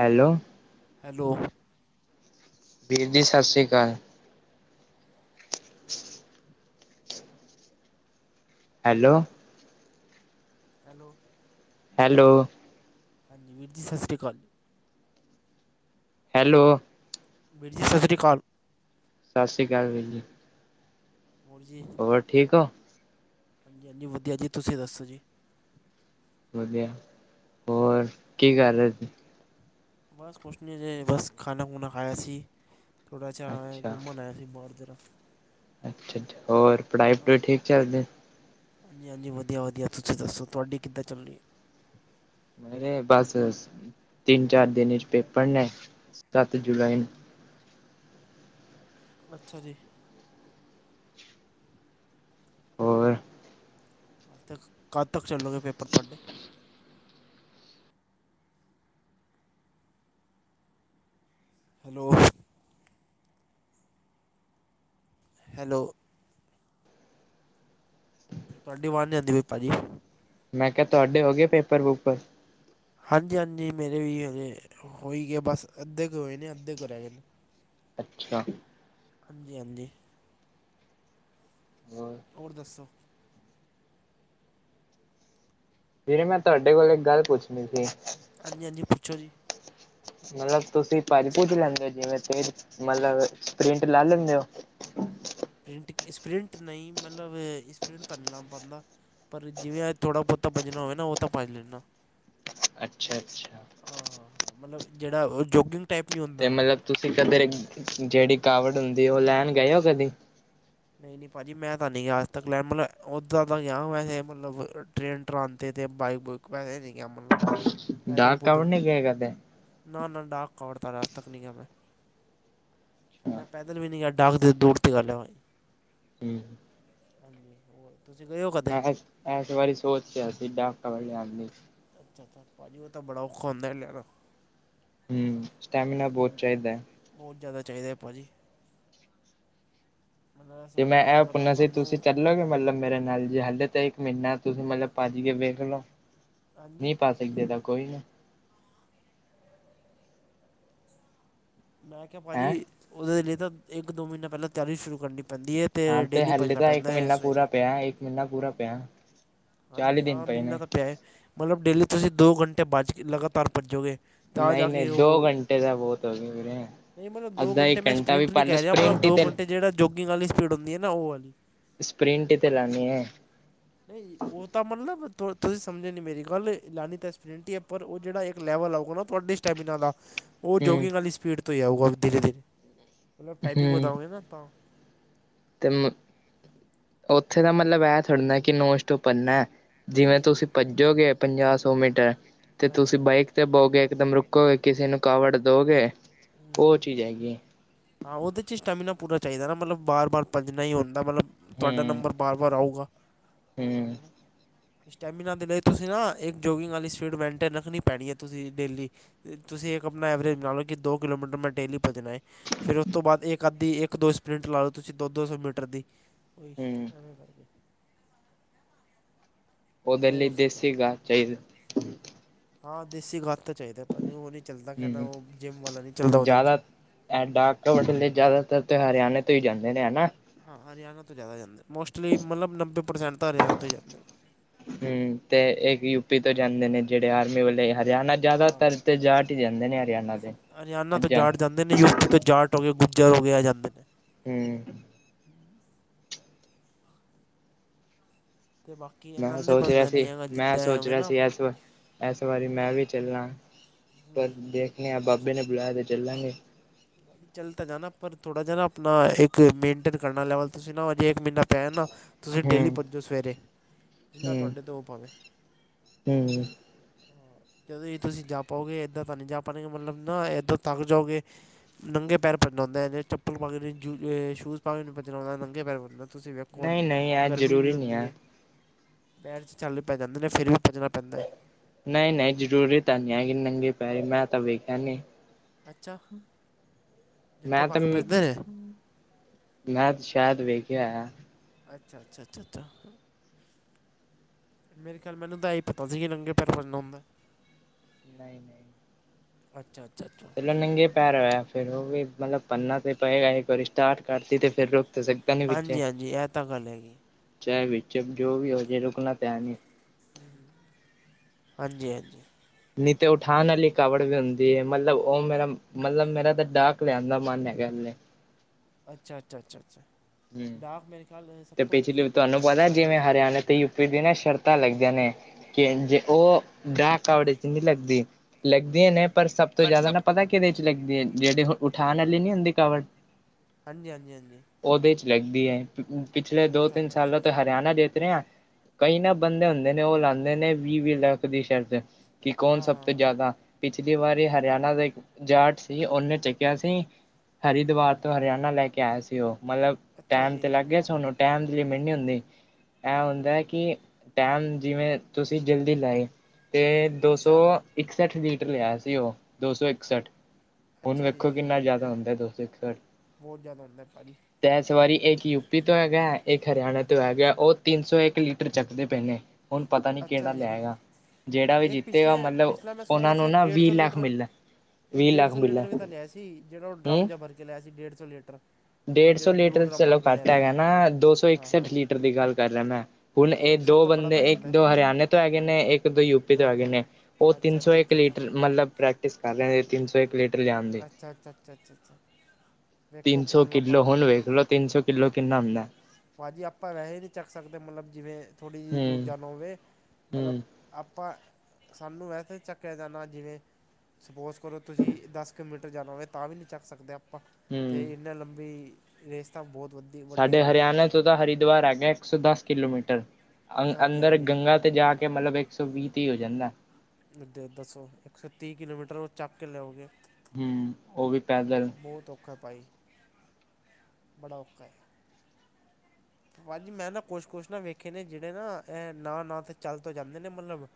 Hello. Hello. ਵੀਰ ਜੀ ਸਤਿ ਸ਼੍ਰੀ ਅਕਾਲ। [inaudible] ਹੈਲੋ। ਹੈਲੋ। ਹੈਲੋ। ਹਾਂਜੀ ਵੀਰ ਜੀ ਸਤਿ ਸ੍ਰੀ ਅਕਾਲ। ਹੈਲੋ। ਵੀਰ ਜੀ ਸਤਿ ਸ਼੍ਰੀ ਅਕਾਲ। ਸਤਿ ਸ਼੍ਰੀ ਅਕਾਲ ਵੀਰ ਜੀ। ਹੋਰ ਜੀ। ਹੋਰ ਠੀਕ ਓ। ਹਾਂਜੀ-ਹਾਂਜੀ, ਵਧੀਆ ਜੀ ਤੁਸੀਂ ਦੱਸੋ ਜੀ। ਵਧੀਆ, ਹੋਰ ਕੀ ਕਰ ਰਹੇ ਸੀ ਬਸ ਕੁਛ ਨੀ ਹਜੇ ਬਸ ਖਾਨਾ ਖੁਣਾ ਖਾਇਆ ਸੀ। ਥੋੜਾ ਜਿਹਾ ਅੱਛਾ ਘੁੰਮਣ ਆਇਆ ਸੀ ਬਾਹਰ ਜ਼ਰਾ। ਅੱਛਾ, ਅੱਛਾ ਹੋਰ ਪੜ੍ਹਾਈ ਪੜੂਈ ਠੀਕ ਚੱਲਦੀ। ਹਾਂਜੀ, ਹਾਂਜੀ ਵਧੀਆ, ਵਧੀਆ ਤੁਸੀਂ ਦੱਸੋ ਤੁਹਾਡੀ ਕਿੱਦਾਂ ਚੱਲ ਰਹੀ ਹੈ। ਨਹੀਂ ਬਸ ਤਿੰਨ ਚਾਰ ਦਿਨ ਚ ਪੇਪਰ ਨੇ ਸੱਤ ਜੁਲਾਈ ਨੂੰ। ਅੱਛਾ ਜੀ। ਹੋਰ ਕੱਦ ਤੱਕ ਚੱਲੋਗੇ ਪੇਪਰ ਤੁਹਾਡੇ ਹੈਲੋ। ਹੈਲੋ। ਤੁਆਡੀ ਵਾਜ ਨੀ ਆਂਦੀ ਪਈ ਬਾਜੀ ਮੈਂ ਕਿਹਾ ਤੁਹਾਡੇ ਹੋ ਗਏ ਪੇਪਰ ਪੁਪਰ। ਹਾਂਜੀ-ਹਾਂਜੀ, ਮੇਰੇ ਵੀ ਹਜੇ ਹੋਈ ਗਏ ਨੇ ਬਸ ਅੱਧੇ ਕੁ ਹੋਏ ਨੇ ਅੱਧੇ ਕੁ ਰਹਿ ਗਏ ਨੇ। ਅੱਛਾ। ਹਾਂਜੀ-ਹਾਂਜੀ। [unintelligible] ਹੋਰ ਦੱਸੋ? ਵੀਰੇ, ਮੈਂ ਤੁਹਾਡੇ ਕੋਲ ਇੱਕ ਗੱਲ ਪੁੱਛਣੀ ਸੀ? ਹਾਂ ਜੀ ਹਾਂ ਜੀ ਪੁੱਛੋ ਜੀ? ਮਤਲਬ ਤੁਸੀਂ ਭੱਜ ਭੁੱਜ ਲੈਂਦੇ ਹੋ ਜਿਵੇਂ ਇੱਥੇ। ਮਤਲਬ ਪ੍ਰਿੰਟ ਲਾ ਲੈਂਦੇ ਔ। ਪਰਿੰਟ ਸਪਰਿੰਟ ਨ੍ਹੀਂ ਮਤਲਬ ਸਪਰਿੰਟ ਤਾਂ ਨੀਂ ਲਾ ਪਾਂਦਾ। ਪਰ ਜਿਵੇ ਥੋੜ੍ਹਾ ਬਹੁਤਾ ਭਜਣਾ ਹੋਵੇ ਨਾ ਉਹ ਤਾਂ ਭੱਜ ਲੈਂਨਾ। ਅੱਛਾ। ਅੱਛਾ ਹਾਂ ਹਾਂ ਮਤਲਬ ਜਿਹੜਾ ਉਹ ਜੋਗਿੰਗ। ਟਾਈਪ ਨਹੀਂ ਤੇ ਹੁੰਦਾ ਮਤਲਬ ਤੁਸੀਂ ਕਦੇ ਜਿਹੜੀ ਕਾਵਟ ਹੁੰਦੀ ਐ ਉਹ ਲੈਣ ਗਏ ਹੋ ਕਦੀ? ਨਹੀਂ ਨਹੀਂ ਭਾਜੀ ਮੈਂ ਤਾਂ ਨਹੀਂ ਗਿਆ ਅੱਜ ਤੱਕ ਲੈ ਮਤਲਬ ਉਹਦਾਂ ਦਾ ਗਿਆ ਵੈਸੇ ਮਤਲਬ। ਟ੍ਰੇਨ ਟਰਾਨ ਅਤੇ ਬਾਈਕ ਬੁਇਕ ਐਵੇ ਨੀਂ ਗਿਆ ਮਤਲਬ। ਪੈਦਲ ਡਾਕ ਕਾਵੜ ਪੂਦਲ ਨੀ ਗਏ ਕਦੇ ਨਾ ਨਾ ਡਾਕ ਕਵੜਤਾ ਅੱਜ ਤੱਕ ਨ੍ਹੀਂ ਗਿਆ ਮੈਂ। ਮੈਂ ਪੈਦਲ ਵੀ ਨਹੀਂ ਗਿਆ ਡਾਗ ਤੇ ਦੂਰ ਦੀ ਗਲ ਐ ਭਾਜੀ। ਹਮ। ਹਾਂਜੀ ਉਹ। ਤੁਸੀਂ ਗਏ ਔ। ਮੈਂ ਐਸ ਐਸ ਵਾਰੀ ਸੋਚ ਰਿਹਾ ਸੀ [unintelligible] ਅੱਛਾ, ਅੱਛਾ ਭਾਜੀ ਉਹ ਤਾਂ ਬੜਾ ਔਖਾ ਹੁੰਦੇ ਏ ਲਿਆਣਾ। ਹੂੰ ਸਟੈਮੀਨਾ ਬਹੁਤ ਚਾਹੀਦਾ। ਬਹੁਤ ਜਿਆਦਾ ਚਾਹੀਦਾ ਭਾਜੀ। ਮਤਲਬ ਤੇ ਸਮਝ ਮੈਂ ਲਓ ਇਹ ਲਗਾਤਾਰ ਪੁੱਛਣਾ ਸੀ ਤੁਸੀਂ ਤੁਹਾਨੂੰ ਚੱਲੋਗੇ ਮਤਲਬ ਮੇਰੇ ਨਾਲ। ਜੇ ਹਲੇ ਤੇ ਇੱਕ ਮਹੀਨਾ ਤੁਸੀਂ ਮਤਲਬ ਭਜ ਕੇ ਵੇਖ ਲੋ ਹਾਂਜੀ ਨਹੀਂ ਭਜ ਸਕਦੇ ਤਾਂ ਕੋਈ ਨਾ। ਮੈਂ ਕਿਹਾ ਹੈਂ ਭਾਜੀ ਉਹਦੇ ਲਈ ਤਾਂ ਇੱਕ ਦੋ ਮਹੀਨਾਂ ਪਹਿਲਾਂ ਤਿਆਰੀ ਸ਼ੁਰੂ ਕਰਨੀ ਪੈਂਦੀ ਐ। ਹਾਂ ਤੇ ਹੱਲੇੇ ਤਾਂ ਇੱਕ ਮਹੀਨਾ ਪੂਰਾ ਪਿਆ ਇੱਕ ਮਹੀਨਾ ਪੂਰਾ ਪਿਆ। ਚਾਲੀ ਹਾਂਜੀ ਦਿਨ ਹਾਂ ਪਏ ਮਹੀਨਾ ਨੇ ਤਾਂ ਪਿਆ ਮਤਲਬ ਡੇਲੀ ਤੁਸੀਂ ਦੋ ਘੰਟੇ ਭੱਜ ਕੇ ਲਗਾਤਾਰ ਭੱਜੋਗੇ। ਤਾਂ ਨਹੀਂ ਜਾ ਨਹੀਂ ਕੇ ਦੋ ਉਹ ਘੰਟੇ ਉਹ ਤਾਂ ਬਹੁਤ ਹੋਣਗੇ ਵੀਰੇ। ਨਹੀਂ ਮਤਲਬ ਦੋ ਅੱਧਾ ਘੰਟੇ ਇੱਕ ਮੈਂ ਘੰਟਾ ਵੀ ਸਪਰਿੰਟ ਨਹੀਂ ਪਾਲੋ ਕਹਿ ਰਿਹਾ ਮਤਲਬ ਸਪ੍ਰਿੰਟ ਹੀ ਦੋ ਤੇ ਘੰਟੇ ਜਿਹੜਾ ਜੋਗਿੰਗ ਵਾਲੀ ਸਪੀਡ ਹੁੰਦੀ ਆ ਨਾਂ ਉਹ ਵਾਲੀ। ਸਪ੍ਰਿੰਨਟ ਈ ਤੇੇ ਲਾਣੀ ਏ। ਨਹੀਂ ਜੀ। ਉਹ ਤਾਂ ਮਤਲਬ ਤੁਸੀਂ ਸਮਝੇ ਨੀ ਮੇਰੀ ਗੱਲ ਲਾਨੀ ਤਾਂ ਸਪਰਿੰਟ ਈ ਐ। ਪਰ ਉਹ ਜਿਹੜਾ ਇੱਕ ਲੈਵਲ ਆਊਗਾ ਨਾ ਤੁਹਾਡੀ। ਸਟੈਮੀਨਾ ਦਾ। ਉਹ ਹੂੰ ਜੋਗਿੰਗ ਵਾਲੀ ਸਪੀਡ ਤੋਂ ਹੀ ਆਊਗਾ ਧੀਰੇ ਧੀਰੇ ਮਤਲਬ ਟਾਈਮਿੰਗ ਹੂੰ ਵਧਾਉਂਗੇ ਨਾ ਤਾਂ। ਤੇ ਮੈ ਉੱਥੇ ਦਾ ਮਤਲਬ ਐਹ ਥੋੜ੍ਹੀ ਨਾ ਐ ਕਿ ਨੋਨ ਸਟਾਪ ਭੱਜਣਾ। ਨਹੀਂ ਜਿਵੇਂ ਨਹੀਂ ਤੁਸੀਂ ਨਹੀਂ ਭੱਜੋਗੇ ਪੰਜਾਹ ਸੌ ਮੀਟਰ, ਤੇ ਹਾਂਜੀ ਤੁਸੀਂ ਹਾਂਜੀ ਬਾਈਕ ਤੇ ਬਹੋਗੇ ਇੱਕਦਮ ਰੁਕ ਕੋਏ ਕਿਸੇ ਨੂੰ ਕਾਵੜ ਦਓਗੇ, ਉਹ ਚੀਜ ਹੈਗੀ। ਹਾਂ ਉਹਦੇ ਚ ਸਟੈਮੀਨਾ ਪੂਰਾ ਚਾਹੀਦੈ ਨਾ, ਮਤਲਬ ਬਾਰ- ਬਾਰ ਭੱਜਣਾ ਹੀ ਹੁੰਦੈ, ਮਤਲਬ ਤੁਹਾਡਾ ਹੂੰ ਨੰਬਰ ਬਾਰ -ਬਾਰ ਆਉਗਾ। ਹੂੰ ਸਟੈਮਿਨਾ ਦੇ ਲਈ ਤੁਸੀਂ ਨਾ ਇੱਕ ਜੋਗਿੰਗ ਵਾਲੀ ਸਪੀਡ ਮੇਨਟੇਨ ਰੱਖਣੀ ਪੈਣੀ ਹੈ ਤੁਸੀਂ ਡੇਲੀ ਤੁਸੀਂ ਇੱਕ ਆਪਣਾ ਐਵਰੇਜ ਬਣਾ ਲਓ ਕਿ ਦੋ ਕਿਲੋਮੀਟਰ ਮੈਂ ਡੇਲੀ ਭੱਜਣਾ ਏ। ਫਿਰ ਉਸ ਤੋਂ ਬਾਅਦ ਇੱਕ ਅੱਧੀ ਇੱਕ ਦੋ ਸਪਰਿੰਟ ਲਾ ਲਓ ਤੁਸੀਂ ਦੋ-ਦੋ ਸੌ ਮੀਟਰ। ਹੂੰ ਉਹਦੇ ਫਿਰ ਲਈ ਹੋ ਸਕਦਾ ਦੇਸੀ ਗਾਂ ਚਾਹੀਦੀ। ਹਾਂ ਦੇਸੀ ਖਾਦ ਤਾਂ ਚਾਹੀਦਾ ਭਾਜੀ ਉਹ ਨਹੀਂ ਚੱਲਦਾ ਕਹਿੰਦਾ ਹੂੰ ਉਹ ਜਿੰਮ ਵਾਲਾ ਨਹੀਂ ਚੱਲਦਾ ਉਹਦੇ ਵਿੱਚ। ਜ਼ਿਆਦਾ ਇਹ ਡਾਕਟਰ [inaudible] ਜ਼ਿਆਦਾਤਰ ਤੇ ਹਰਿਆਣੇ ਤੋਂ ਹੀ ਜਾਂਦੇ ਨੇ ਹੈ ਨਾ। ਹਾਂ ਹਰਿਆਣਾ ਤੋਂ ਜ਼ਿਆਦਾ ਜਾਂਦੇ ਮੋਸਟਲੀ ਮਤਲਬ ਨੱਬੇ ਪ੍ਰਸੈਂਟ ਤਾਂ ਹਰਿਆਣਾ ਤੋਂ ਹੀ ਜਾਂਦੇ ਨੇ। ਹਮ ਤੇ ਇਹ ਯੂਪੀ ਤੋਂ ਜਾਂਦੇ ਨੇ ਜਿਹੜੇ ਆਰਮੀ ਵਾਲੇ ਹਰਿਆਣਾ। ਹਾਂ ਜ਼ਿਆਦਾਤਰ ਤੇ ਜਾਟ ਹੀ ਜਾਂਦੇ ਨੇ ਹਰਿਆਣਾ ਦੇ ਪੰਜਾਬ। ਦੇ ਨੇ ਯੂਪੀ ਤੋਂ ਜਾਟ ਹੋ ਗਏ ਗੁੱਜਰ ਹੋ ਗਏ ਏ ਜਾਂਦੇ ਨੇ। ਹੂੰ, ਤੇ ਵਕ ਮੈਂ ਸੋਚ ਰਿਹਾ ਸੀ, ਮੈਂ ਸੋਚ ਰਿਹਾ ਨਾ ਸੀ ਐਸ ਵਕ ਇਸ ਵਾਰੀ ਮੈਂ ਵੀ ਚੱਲਣਾ, ਪਰ ਦੇਖਣੇ ਹਾਂ ਬਾਬੇ ਅੱਛਾ ਨੇ ਬੁਲਾਇਆ ਤੇ ਚੱਲਾਂਗੇ। ਚੱਲ ਤਾਂ ਜਾਣਾ, ਪਰ ਥੋੜਾ ਜਾ ਨਾ ਆਪਣਾ ਇੱਕ ਮੇਨਟੇਨ ਕਰਨਾ ਲੈਵਲ, ਤੁਸੀਂ ਨਾ ਅਜੇ ਇੱਕ ਮਹੀਨਾ ਪਿਆ ਨਾ। ਤੁਸੀਂ ਡੇਲੀ ਹੂੰ ਭੱਜੋ ਸਵੇਰੇ, ਜਿੰਨਾ ਹੂੰ ਤੁਹਾਡੇ ਤੋਂ ਹੋ ਪਾਵੇ। ਹੂੰ। ਜਦੋਂ ਵੀ ਤੁਸੀਂ ਜਾ ਪਾਓਗੇ, ਇੱਦਾਂ ਤਾਂ ਨਹੀਂ ਜਾ ਪਾਓਗੇ, ਮਤਲਬ ਨਾ ਇੱਦਾਂ ਥੱਕ ਜਾਓਗੇ। ਨੰਗੇ ਪੈਰ ਭੱਜਣਾ ਹੁੰਦਾ, ਚੱਪਲ ਪਾ ਕੇ ਨੀ, ਜੁੱਤੇ ਸ਼ੂਜ਼ ਪਾ ਕੇ ਨੀ ਭੱਜਣਾ ਹੁੰਦਾ, ਨੰਗੇ ਪੈਰ ਭੱਜਣਾ ਤੁਸੀਂ ਵੇਖੋ ਹੁਣ, ਨਹੀਂ ਨਹੀਂ ਇਹ ਗਰਮੀ ਵੀ ਜ਼ਰੂਰੀ ਨਹੀਂ ਹੁੰਦੀ ਹੈ ਏ। ਪੈਰ ਚ ਛਾਲੇ ਪੈ ਜਾਂਦੇ ਨੇ, ਫਿਰ ਵੀ ਭੱਜਣਾ ਪੈਂਦਾ। ਨਹੀਂ-ਨਹੀਂ ਜ਼ਰੂਰੀ ਤਾਂ ਨਹੀਂ ਹੈਗੀ ਨੰਗੀ ਪੈਰੀ, ਮੈਂ ਤਾਂ ਵੇਖਿਆ ਨੀ। ਅੱਛਾ, ਜੁੱਤੇ ਮੈਂ ਪਾ ਤਾਂ ਕੇ ਭੱਜਦੇ ਨੇ। ਮੈਂ ਸ਼ਾਇਦ ਵੇਖਿਆ ਹੋਇਆ। ਅੱਛਾ-ਅੱਛਾ-ਅੱਛਾ-ਅੱਛਾ। ਮੇਰੇ ਖਿਆਲ ਮੈਨੂੰ ਤਾਂ ਇਹ ਹੀ ਪਤਾ ਸੀ, ਕਿ ਨੰਗੇ ਪੈਰ ਭੱਜਣਾ ਹੁੰਦਾ ਐ। [inaudible] ਅੱਛਾ-ਅੱਛਾ-ਅੱਛਾ। ਪਰ ਨੰਗੇ ਪੈਰ ਹੈਗਾ, ਫਿਰ ਉਹ ਵੀ ਮਤਲਬ ਕਰਨਾ ਤੇ ਪਏਗਾ, ਇੱਕ ਵਾਰੀ ਸਟਾਟ ਕਰਤੀ ਤੇ ਫਿਰ ਰੁਕ ਤੇ ਸਕ ਹਾਂਜੀ-ਹਾਂਜੀ, ਇਹ ਤਾਂ ਗੱਲ ਹੈਗੀ। ਚਾਹੇ ਵਿੱਚ ਜੋ ਵੀ ਹੋਜੇ, ਰੁਕਣਾ ਤੇ ਹੈ ਨੀ। ਹਾਂਜੀ-ਹਾਂਜੀ। ਨਹੀਂ ਤੇ ਉਠਾਣ ਵਾਲੀ ਕਾਵੜ ਵੀ ਹੁੰਦੀ ਹੈ, ਮਤਲਬ ਉਹ ਮੇਰਾ ਮਤਲਬ ਮੇਰਾ ਤਾਂ ਡਾਕ ਲਿਆਣ ਦਾ ਮਨ ਹੈਗਾ। ਅੱਛਾ-ਅੱਛਾ-ਅੱਛਾ-ਅੱਛਾ। ਹੂੰ ਤੇ ਪਿਛਲੀ ਹੁੰਦੀ ਹੈ ਤੁਹਾਨੂੰ ਭਾਜੀ ਪਤਾ ਸਾਰਿਆਂ ਜਿਵੇਂ 'ਚ ਹਰਿਆਣੇ ਤੇ ਯੂ ਯੂਪੀ ਦੀਆਂ ਨਾ ਸ਼ਰਤਾਂ ਲੱਗਦੀਆ ਨੇ। ਜੇ ਉਹ ਡਾਕ ਕਾਵੜ ਨੀ ਲੱਗਦੀ, ਲੱਗਦੀਆਂ ਨੇ। ਪਰ ਸਭ ਤੋਂ ਜ਼ਿਆਦਾ ਨਾ ਪਤਾ ਕਿਹਦੇ ਚ ਲੱਗਦੀ ਏ, ਜਿਹੜੇ ਉਹ ਉਠਾਣ ਵਾਲੀ ਨਹੀਂ ਹੁੰਦੀ ਕਾਵੜ। ਹਾਂਜੀ-ਹਾਂਜੀ-ਹਾਂਜੀ। ਉਹਦੇ ਚ ਲੱਗਦੀ ਐ, ਪਿਛਲੇ ਦੋ ਅੱਛਾ ਤਿੰਨ ਅੱਛਾ ਅੱਛਾ ਸਾਲਾਂ ਤੋਂ ਅੱਛਾ ਹਰਿਆਣਾ ਜਿੱਤ ਰਿਹਾ। ਕਈ ਨਾ ਬੰਦੇ ਹੁੰਦੇ ਨੇ, ਉਹ ਲਾਂਦੇ ਨੇ ਵੀਹ-ਵੀਹ ਲੱਖ ਦੀ ਸ਼ਰਤ, ਕਿ ਕੌਣ ਹਾਂ ਸਭ ਤੋਂ ਹਾਂ ਜ਼ਿਆਦਾ ਪਿਛਲੀ ਵਾਰੀ ਹਰਿਆਣਾ ਦਾ ਇਕ ਜਾਟ ਸੀ, ਉਹਨੇ ਚੱਕਿਆ ਸੀ। ਹਰਿਦੁਆਰ ਤੋਂ ਹਰਿਆਣਾ ਲੈ ਕੇ ਆਇਆ ਸੀ ਉਹ, ਮਤਲਬ ਅੱਛਾ ਟਾਈਮ ਜੀ ਤੇ ਲੱਗ ਗਿਆ ਸੀ ਉਹਨੂੰ। ਟੈਮ ਦੀ ਲਿਮਿਟ ਨਹੀਂ ਹੁੰਦੀ। ਇਹ ਹੁੰਦਾ ਹੈ, ਕਿ ਟੈਮ ਜਿਵੇਂ ਤੁਸੀਂ ਜਲਦੀ ਲੈ ਆਏ। ਤੇ ਦੋ ਸੌ ਅੱਛਾ ਇਕਸੱਠ ਲੀਟਰ ਲਿਆਇਆ ਸੀ ਉਹ, ਦੋ ਸੌ ਇਕਸੱਠ। ਹੁਣ ਅੱਛਾ ਜੀ ਵੇਖੋ ਕਿੰਨਾ ਜ਼ਿਆਦਾ ਹੁੰਦਾ ਦੋ ਸੌ ਲੀਟਰ। ਬਹੁਤ ਜ਼ਿਆਦਾ ਹੁੰਦਾ ਐ, ਭਾਜੀ। ਅਤੇ ਇਸ ਵਾਰੀ ਇੱਕ ਯੂਪੀ ਤੋਂ ਹੈਗਾ ਇੱਕ ਹਰਿਆਣਾ ਤੋਂ ਹੈਗਾ ਉਹ ਤਿੰਨ ਸੌ ਇੱਕ ਲੀਟਰ ਚੱਕਦੇ ਪਏ ਨੇ। ਹੁਣ ਪਤਾ ਨੀ ਅੱਛਾ ਕਿਹੜਾ ਜੀ ਲਿਆਏਗਾ। ਜਿਹੜਾ ਵੀ ਇੱਕ ਪਿਛਲੇ ਜਿੱਤੇਗਾ, ਮਤਲਬ ਪਿਛਲਾ ਮੈਂ ਸੁਣਿਆ ਉਹਨਾਂ ਸੀ ਨੂੰ ਇੱਕ ਨਾ ਡੇਢ ਵੀਹ ਸੌ ਲੱਖ ਲੀਟਰ ਮਿਲਨਾ। ਇੱਕ ਡੇਢ ਸੌ ਲੀਟਰ ਵੀ ਤਾਂ ਲਿਆ ਸੀ, ਜਿਹੜਾ ਉਹ ਡਰੰਮ ਹੂੰ ਜ ਭਰ ਕੇ ਲਿਆ ਸੀ ਡੇਢ ਸੌ ਲੀਟਰ। ਉਹ ਡੇਢ ਸੌ ਜਿਹੜਾ ਬਲੂ ਲੀਟਰ ਡਰਮ ਚਲੋ ਭਰ ਕੇ ਘੱਟ ਲਿਆ ਸੀ ਹੈਗਾ ਨਾ, ਦੋ ਸੌ ਇਕ ਹਾਂ ਹਾਂ ਸੱਠ ਲੀਟਰ ਦੀ ਗੱਲ ਕਰ ਰਿਹਾ ਮੈਂ। ਕੁਲ ਸੌ ਇਹ ਇੱਕ ਸੈਟ ਦੋ ਤਾਂ ਬੜਾ ਬੰਦੇ ਪੈ ਇੱਕ ਜਾਂਦਾ ਦੋ ਹੈ ਹਰਿਆਣੇ ਤੋਂ ਹੈਗੇ ਨੇ, ਇੱਕ ਦੋ ਯੂਪੀ ਤੋਂ ਅ ਹੈਗੇ ਹਾਂ ਨੇ, ਉਹ ਤਿੰਨ ਅੱਛਾ ਸੌ ਅੱਛਾ ਇੱਕ ਅੱਛਾ ਅੱਛਾ ਲੀਟਰ ਮਤਲਬ ਬਰ ਇਸ ਕਰਲਿਆ ਤਿੰਨ ਸੌ ਇੱਕ ਲੀ ਅੱਛਾ -ਅੱਛਾ- ਅੱਛਾ- ਅੱਛਾ- ਅੱਛਾ ਵੇਖੋ ਕੋਣ ਲੈ ਪਾਂਦਾ। ਦੇਖਲੋ ਤਿੰਨ ਸੌ ਕਿੱਲੋ ਕਿੰਨਾ ਹੁੰਦਾ। ਭਾਅ ਜੀ ਆਪਾਂ ਵੈਸੇ ਨਹੀਂ ਚੱਕ ਸਕਦੇ ਮਤਲਬ ਜਿਵੇ ਥੋੜ੍ਹੀ ਜਿਹੀ ਹੂੰ ਦੂਰ ਜਾਣਾਵੇ ਮਤਲਬ ਹੂੰ ਆਪਾਂ ਸਾਨੂੰ ਵੈਸੇ ਚੱਕਿਆ ਜਾਂਦਾ ਜਿਵੇਂ ਸਪੋਜ਼ ਕਰੋ ਤੁਸੀਂ ਦਸ ਕਿਲੋਮੀਟਰ ਜਾਣਾ ਹੋਵੇ ਤਾਂ ਵੀ ਨਹੀਂ ਚੱਕ ਸਕਦੇ ਆਪਾਂ ਹੂੰ ਅਤੇ ਇੰਨਾ ਲੰਬੀ ਰੇਸ ਤਾਂ ਬਹੁਤ ਵੱਧੀ ਵੱਡੀ ਗੱਲ ਹੈ। ਭਾਜੀ ਚ ਹਰਿਦਵਾਰ ਆ ਗਿਆ ਇੱਕ ਸੌ ਦਸ ਕਿਲੋਮੀਟਰ ਹਾਂਜੀ ਅੰਦਰ ਹਾਂਜੀ ਗੰਗਾ ਤੇ ਜਾ ਕੇ ਮਤਲਬ ਇੱਕ ਸੌ ਵੀਹ ਤੇ ਹੋ ਜਾਂਦਾ ਦੱਸੋ ਇੱਕ ਸੌ ਤੀਹ ਕਿਲੋਮੀਟਰ ਉਹ ਚੱਕ ਕੇ ਲਓਗੇ ਹਮ ਉਹ ਵੀ ਬਹੁ ਪੈਦਲ ਬਹੁਤ ਔਖਾ ਭਾਈ ਬੜਾ ਔਖਾ ਹੈ ਭਾਜੀ ਮੈਂ ਨਾ ਕੁਛ ਕੁਛ ਨਾ ਵੇਖੇ ਨੇ ਜਿਹੜੇ ਨਾ ਇਹ ਨਾ ਨਾ ਤੇ ਚੱਲ ਤੋਂ ਜਾਂਦੇ ਨੇ ਮਤਲਬ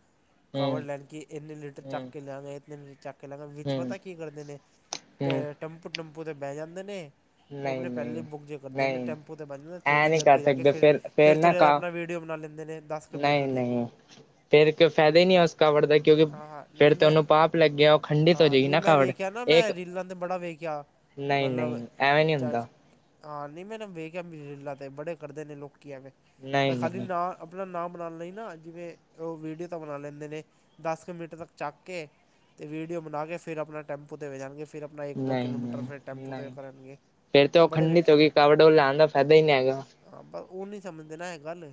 ਕਵਰ ਹੂੰ ਲੈਨ ਕੀ ਇੰਨੀ ਲੀਟਰ ਚੱਕ ਹੂੰ ਕੇ ਲਿਆਂਗੇ ਇਤੇ ਲੀਟਰ ਚੈੱਕ ਕਹਿ ਲਾਂ ਵਿੱਚ ਹੂੰ ਪਤਾ ਕੀ ਕਰਦੇ ਨੇ ਹੂੰ ਟੰਪੂ ਟੰਪੂ ਤੇ ਬਹਿ ਜਾਂਦੇ ਨੇ ਉਹ ਨਹੀਂ ਆਪਣੇ ਪਹਿਲੇ ਨਹੀਂ ਬੁੱਕ ਜੇ ਕਰਦੇ ਨੇ ਨਹੀਂ ਟੈਂਪੂ ਤੇ ਬਦੇ ਐ ਥੋੜ੍ਹੀ ਨਹੀਂ ਜਿਹੀ ਕਰ ਅੱਗੇ ਜਾ ਕੇ ਸਕਦੇ ਫਿਰ ਨਾ ਥੋੜ੍ਹੀ ਜਹਾ ਕ ਆਪਣਾ ਵੀਡੀਓ ਬਣਾ ਲੈਂਦੇ ਨੇ ਦਸ ਕੁਲੋਮੀਟਰ ਦੀ ਫੇਿਰ ਕੋਈ ਫਾਇਦਾ ਹੀ ਨਹੀਂ ਆ ਉਸ ਕਵੜ ਦਾ ਕਿਉਂਕਿ ਹਾਂ ਹਾਂ ਫੇਿਰ ਨਹੀਂ ਤਾਂ ਮੈਂ ਉਹਨੂੰ ਪਾਪ ਲੱਗਿਆ ਉਹ ਖੰਡਿਤ ਹੋ ਜਾਏਗੀ ਨਾ ਕਵੜ ਕ ਨਾ ਮੈਂ ਰੀਲਾਂ ਤੇ ਬੜਾ ਵੇਖਿਆ ਨਹੀਂ ਮਤਲਬ ਨਹੀਂ ਐਵੇਂ ਨਹੀਂ ਚ ਹੁੰਦਾ ਹਾਂ ਨਹੀਂ ਮੈਨੂੰ ਵੇਖਖਿਆ ਮਲਾ ਤੇ ਬੜੇ ਕਰਦੇ ਨੇ ਲੋਕ ਆਵੇਂ ਪਰ ਨਹੀਂ ਨਹੀਂ ਖਾਲੀਦਾ ਆਪਣਾ ਨਾਂ ਬਣਾਉਣ ਲਈ ਨਾ ਜਿਵੇਂ ਉਹ ਵੀਡੀਓ ਤਾਂ ਬਣਾ ਲੈਂਦੇ ਨੇ ਦਸ ਕੁ ਮਿੰਟਰ ਤੱਕ ਚੱਕ ਕੇ ਅਤੇ ਵੀਡੀਓ ਬਣਾ ਕੇ ਫਿਰ ਆਪਣਾ ਟੈਂਪੂ 'ਤੇ ਜਾਣਗੇ ਫਿਰ ਆਪਾਂ ਆਪਣਾ ਇੱਕ ਦੋ ਨਹੀਂ ਕਿਲੋਮੀਟਰ ਨਹੀਂ ਫਿਰ ਟੈਂਮਪੂ ਤੋਂ ਨਹੀਂ ਕਰਨਣਗੇ ਮ ਬੜੇ ਵੇਖੇ ਨੇ ਲੈਣ ਦਾ ਫਾਇਦਾ ਹੀ ਨਹੀਂ ਹੈਗਾ ਹਾਂ ਬਸ ਉਹ ਨੀ ਸਮਝਦੇ ਨਾ ਇਹ ਗੱਲ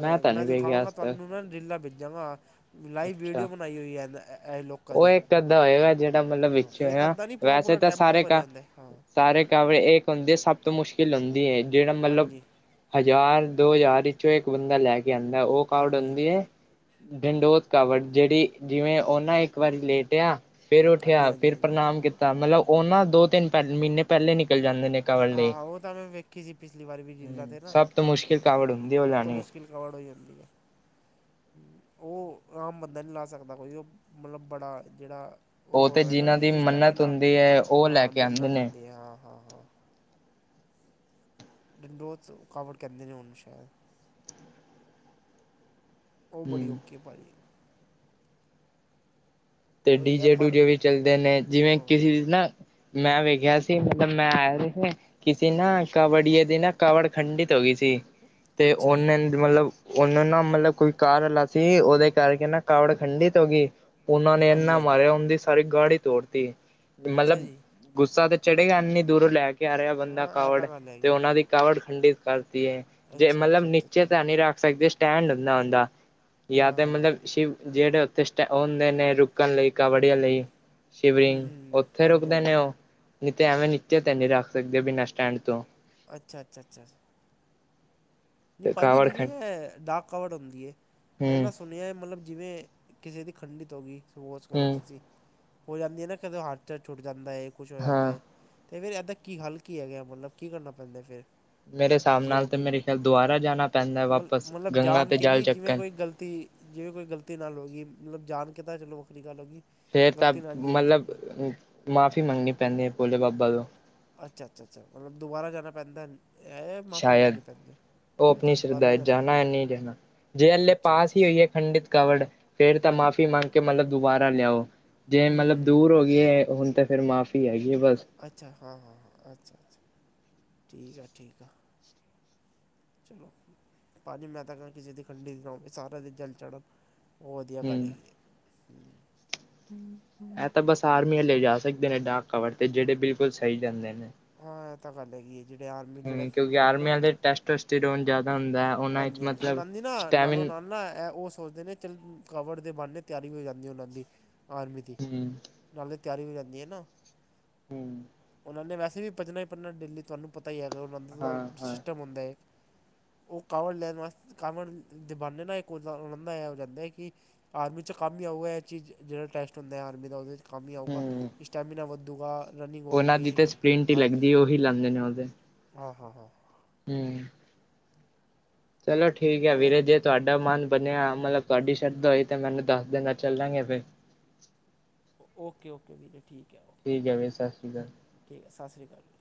ਮੈਂ ਤਾਂ ਨਹੀਂ ਮੈਂਦ ਵੇਖਿਆ ਖਮਗਾ ਅੱਜ ਤੱਕ ਤਹਨੂੰ ਨਾਲ ਡਿੱਲਾ ਬਿੱਜਾਗਾ ਅੱਛਾ ਲੋਕਾਂ ਉਹ ਦੀ ਇੱਕ ਅੱਧਾ ਹੋਏਗਾ ਜਿਹੜਾ ਮਤਲਬ ਹਾਂ ਵਿੱਚੋਂ ਇੱਕ ਨਾ ਅੱਧਾ ਨਹੀਂ ਪੂਰਾ ਵੈਸੇ ਪੂਰਾ ਤਾਂ ਟੈਂਪੂ ਸਾਰੇ ਭਰਿਆ ਕਾ ਹੁੰਦਾ ਹਾਂ ਸਾਰੇ ਕਵਰੇ ਇੱਕ ਹੁੰਦੇ ਸਭ ਤੋਂ ਮੁਸ਼ਕਿਲ ਹੁੰਦੀ ਹੈ ਜਿਹੜਾ ਮਤਲਬ ਹਾਂਜੀ ਹਜ਼ਾਰ ਦੋ ਹਜ਼ਾਰ ਵਿੱਚੋਂ ਇੱਕ ਬੰਦਾ ਲੈ ਕੇ ਆਉਂਦਾ ਉਹ ਕਊਟ ਹਾਂਜੀ ਹੁੰਦੀ ਹੈ ਡੰਡੋ ਕਵਟ ਜਿਹੜੀ ਜਿਵੇਂ ਉਹਨਾਂ ਇੱਕ ਵਾਰੀ ਲੇਟ ਆ ਫੇਿਰ ਹਾਂਜੀ ਉੱਠਿਆ ਹਾਂਜੀ ਫਿਰ ਹਾਂਜੀ ਪ੍ਰਣਾਮ ਕੀਤਾ ਤਾਂ ਮਤਲਬ ਉਹ ਨਾ ਦੋ ਤਿੰਨ ਪਹਿ ਮਹੀਨੇ ਪਹਿਲੇ ਨਿਕਲ ਜਾਂਦੇ ਨੇ ਕਾਵੜ ਲਈ ਆਹੋ ਉਹ ਤਾਂ ਮੈਂ ਵੇਖੀ ਸੀ ਪਿਛਲੀ ਵਾਰੀ ਵੀ ਰੀਲਾਂ ਹਮ ਤੇ ਨਾ ਸਭ ਮੁਸ਼ਕਿਲ ਕਵੜੋ ਸਭ ਤੋਂ ਮੁਸ਼ਕਿਲ ਕਵੜ ਹੋ ਜਾਂਦੀ ਹੈ ਉਹ ਆਮ ਬੰਦਾ ਨਹੀਂ ਲਾ ਸਕਦਾ ਕੋਈ ਉਹ ਮਤਲਬ ਬੜਾ ਜਿਹੜਾ ਉਹ ਤੇ ਹੈ ਨਾ ਜਿਹਨਾਂ ਦੀ ਜਿਹਦੇ ਮੰਨਤ ਸਟੈਮੀਨਾ ਹੁੰਦੀ ਹੈ ਉਹ ਲੈ ਹਾਂ ਕੇ ਆਉਂਦੇ ਮਿਹਨਤ ਨੇ ਹੁੰਦੀ ਹਾਂ ਹਾਂ ਹਾਂ ਡੰਡੋ ਰਕਾਵਟ ਕਰਦੇ ਨੇ ਹਣ ਸ਼ਾਇਦ ਉਹ ਬੜੀ ਹਮ ਔਖੀ ਭਾਰੀ ਤੇ ਉਹੀ ਹੈ ਡੀਜੇ ਪਰ ਡੂਜੇ ਵੀ ਚੱਲਦੇ ਨੇ ਜਿਵੇਂ ਹਾਂ ਕਿਸੇ ਨਾ ਮੈਂ ਵੇਖਿਆ ਸੀ, ਮਤਲਬ ਮੈਂ ਆਇਆ ਸੀ ਕਿਸੀ ਨਾ ਕਬੜਏ ਦੀ ਨਾ ਕਵੜ ਖੰਡਿਤ ਹੋ ਗਈ ਸੀ ਤੇ ਅੱਛਾ ਜੀ ਉਹਨਾਂ ਮਤਲਬ ਓਨੇ ਨਾ ਮਤਲਬ ਕੋਈ ਕਾਰ ਵਾਲਾ ਸੀ, ਓਦੇ ਕਰਕੇ ਨਾ ਕਾਵੜ ਖੰਡਿਤ ਹੋ ਗੀ। ਓਨਾਂ ਨੇ ਹਾਂਜੀ ਏਨਾ ਹਾਂਜੀ ਮਾਰਿਆ, ਓਂਦੀ ਸਾਰੀ ਗਾੜੀ ਤੋੜਤੀ ਅੱਛਾ ਮਤਲਬ ਜੀ ਗੁੱਸਾ ਤੇ ਚੜੇਗਾ ਇੰਨੀ ਦੂਰੋਂ ਲੈ ਕੇ ਆ ਰਿਹਾ ਬੰਦਾ ਹਾਂ ਇਹ ਕਾਵੜ ਤਾਂ ਗੱਲ ਤੇ ਹੈਗੀ ਹੈ ਓਨਾਂ ਦੀ ਕਾਵੜ ਖੰਡਿਤ ਕਰਤੀ ਏ ਜੇ ਅੱਛਾ ਮਤਲਬ ਅੱਛਾ ਅੱਛਾ ਨੀਚੇ ਅੱਛਾ ਤਾਂ ਨੀ ਰੱਖ ਸਕਦੇ ਸਟੈਂਡ [unintelligible] ਹੁੰਦਾ ਓਦਾ। ਜਾਂ ਹਾਂ ਤੇ ਹਾਂ ਮਤਲਬ ਸ਼ਿਵ ਜਿਹੜੇ ਉੱਥੇ, ਸਟ ਹੁੰਦੇ ਨੇ ਰੁਕਣ ਲਈ ਕਬੜੀਆਂ ਲਈ, ਹੂੰ ਸ਼ਿਵਿੰਗ ਹੂੰ ਓਥੇ ਹਾਂਜੀ ਰੁਕਦੇ ਹਾਂਜੀ ਨੇ ਓ ਨੀ ਤੇ ਐਵੇਂ ਨੀਚੇ ਤੇ ਨੀ ਰੱਖ ਸਕਦੇ ਬਿਨਾਂ ਸਟੈਂਡ ਤੋਂ। ਅੱਛਾ, ਅੱਛਾ, ਅੱਛਾ। ਨਈ ਤੇ ਭਾਜੀ ਕਾਵੜ ਜਿਵੇਂ ਖੰ ਐ ਡਾਕ ਕਾਵੜ ਹੋਂਦੀ ਏ, ਮੈਂ ਨਾ ਹੂੰ ਸੁਨੇਆ ਮਤਲਬ ਜਿਵੇਂ ਕਿਸੇ ਦੀ ਖੰਡਿਤ ਹੋ ਗਈ, ਕੀ ਕਰੋ ਸੋਚੋ ਹੂੰ ਤੁਸੀਂ ਹੋ ਜਾਂਦੀ ਹੈ ਨਾ ਕਦੇ ਹਟ 'ਚ ਛੁੱਟ ਜਾਂਦਾ ਹੈਏ ਕੁਛ ਹੋ ਜਾਂਦਾ ਹਾਂ ਹੈ ਅਤੇ ਫਿਰ ਇਹਦਾ ਕੀ ਹਲਕੀ ਹੈਗਾ ਮਤਲਬ ਕੀ ਕਰਨਾ ਪੈਂਦਾ ਫਿਰ ਮੇਰੇ ਹਿਸਾਬ ਨਾਲ ਤੇ, ਮੇਰੇ ਖਿਆਲ ਦੁਬਾਰਾ ਜਾਣਾ ਪੈਂਦਾ ਮਤਲਬ- ਵਾਪਸ ਮਤਲਬ ਗੰਗਾ ਜਾਣ ਤੇ ਕੇ ਜਲ ਨਹੀਂ, ਜਿਵੇਂ ਚੱਕਣ ਕੋਈ ਗਲਤੀ ਜਿਵੇਂ, ਕੋਈ ਗਲਤੀ ਨਾਲ ਹੋ ਗਈ ਮਤਲਬ ਜਾਣ ਕੇ ਤਾਂ, ਚਲੋ ਵੱਖਰੀ ਗੱਲ ਹੋ ਗਈ। ਫੇਰ ਤਾਂ ਗਲਤੀ ਨਾਲ ਜੇ ਦਿੱਤ ਹੋ ਮਤਲਬ, ਗਈ ਮਾਫ਼ੀ ਮੰਗਣੀ ਪੈਂਦੀ ਹੈ ਭੋਲੇ ਬਾਬਾ ਤੋਂ ਅੱਛਾ, ਅੱਛਾ, ਅੱਛਾ ਮਤਲਬ ਦੁਬਾਰਾ ਜਾਨਾ ਪੈਂਦਾ ਹੈ ਮਾਫੀ ਸ਼ਾਇਦ, ਮੰਗਣੀ ਪੈਂਦੀ ਹੈ ਉਹ ਆਪਣੀ ਅੱਛਾ ਦੁਬਾਰਾ ਸ਼ਰਧਾ ਵੀ ਜਾਣਾ ਪੈਂਦਾ ਜਾਾਨਾ ਹੈ ਨਹੀਂ ਜਾਣਾ, ਜੇ ਅੇਲੇ ਅੱਛਾ ਪਾਸ ਅੱਛਾ ਹੀ ਅੱਛਾ ਹੋਈਏ ਹੈ। ਖੰਡਿਤ ਕਾਵੜ ਫਿਰ ਤਾਂ ਮਾਫ਼ੀ ਮੰਗ ਕੇ ਮਤਲਬ ਦੁਬਾਰਾ ਲਿਆਓ। ਜੇ ਮਤਲਬ ਹੂੰ ਦੂਰ ਹੋ ਗਈ ਏ ਹੁਨ ਤਾਂ ਫਿਰ ਮਾਫ਼ੀ ਹੈਗੀ ਏ ਬਸ। ਅੱਛਾ, ਹਾਂ, ਹਾਂ, ਹਾਂ ਅੱਛਾ- ਅੱਛਾ ਠੀਕ ਆ, ਠੀਕ ਆ ਚਲੋ ਭਾਜੀ ਮੈਂ ਤਾਂ ਕਾਂ ਕਿਸ ਦੀ ਗੱਡੀ ਨਾ ਹੋਵੇ ਸਾਰਿਆਂ ਦਾ ਜਲ ਚੜੇ ਓ ਵਧੀਆ ਗੱਲ ਹਮ ਹੈਗੀ ਏ। ਹੂੰ ਐ ਤਾਂ ਬਸ ਆਰਮੀ ਵਾਲੇ ਲੇ ਜਾ ਸਕਦੇ ਨੇ ਡਾਕ ਕਾਵੜ ਤੇ ਜੇੜੇ ਬਿਲਕੁਲ ਸਈ ਜਾਂਦੇ ਨੇ। ਹਾਂ ਇਹ ਤਾਂ ਗੱਲ ਹੈ ਕਿ ਜਿਹੜੇ, ਆਰਮੀ ਚ ਫਿੱਟ ਹੋਣ ਨਾ, ਟੈਸਟ ਵੈਸਟ ਰੋਨ ਜਾਦਾ ਹੁੰਦਾ। ਉਹਨਾਂ ਵਿੱਚ ਹਾਂਜੀ-ਹਾਂਜੀ, ਮਤਲਬ ਓਨਾਂ ਦੀ ਨਾ ਨਾਲੋ ਸਟੈਮਿਨ ਨਾਲ ਨਾ ਐ ਓ ਸੋਚਦੇ ਨੇ ਚਲ ਕਵਰ ਦੇ ਬਹਾਨੇ ਤਿਆਰੀ ਹੋ, ਜਾਂਦੀ ਉਹਨਾਂ ਦੀ ਆਰਮੀ ਦੀ ਹਮ ਨਾਲੇ ਤਿਆਰੀ ਵੀ, ਰਹਿੰਦੀ ਹੈ ਨਾ, ਹੂੰ ਉਹਨਾਂ ਨੇ ਵੈਸੇ ਵੀ ਭੱਜਣਾ, ਹੀ ਪੜ੍ਹਨਾ ਡੇਲੀ ਤੁਹਾਨੂੰ ਪਤਾ ਹੀ ਹੈਗਾ, ਉਹਨਾਂ ਦਾ -ਦਾ ਹਾਂ ਹਾਂ ਸਿਸਟਮ ਹੁੰਦਾ ਏ, ਉਹ ਕਾਵੜ ਲੈਣ ਵਾਸਤੇ, ਕਾਵੜ ਬਹਾਨੇ ਨੇ ਇੱਕ ਰਦਾ ਜਾ ਰਹਿੰਦਾ ਹੈ ਕਿ, ਆਰਮੀ 'ਚ ਕੰਮ ਹੀ ਆਉਗਾ ਹੈ ਚੀਜ਼, ਜਿਹੜਾ ਟੈਸਟ ਹੁੰਦੇ ਆਰਮੀ ਦਾ ਉਹ 'ਚ ਕਾਮ ਹੀ ਆਊਗਾ, ਸਟੈਮੀਨਾ ਵੱਧੂਗਾ। ਓਨਾਂ ਦੀ ਤੇ ਸਪਰਿੰਟ ਈ ਲੱਗਦੀ ਓਹੀ ਲਾਂਦੇ ਨੇ ਓ ਤੇ। ਆ, ਹਾ, ਹਾ ਹੂੰ ਚਲੋ, ਠੀਕ ਹੈ ਉਹ ਵੀਰੇ ਜੇ ਤੁਹਾਡਾ ਮਨ ਬਨੇਆ ਮਤਲਬ ਤੁਹਾਡੀ ਸ਼ਰਧਾ ਹੋਈ ਤੇ ਮੈਨੂੰ ਦੱਸ ਦੇਨਾ ਚੱਲਾਂਗੇ ਫਿਰ। ਓਕੇ -ਓਕੇ ਵੀਰ ਠੀਕ ਹੈ, ਓਕੇ ਹੈ ਵੀਰ ਸਤਿ ਸ਼੍ਰੀ ਅਕਾਲ। ਠੀਕ ਹੈ, ਸਤਿ ਸ਼੍ਰੀ ਅਕਾਲ।